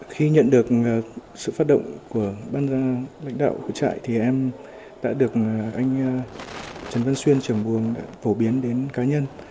khi nhận được sự phát động của ban lãnh đạo của trại thì em đã được anh trần văn xuyên trưởng buồng đã phổ biến đến cá nhân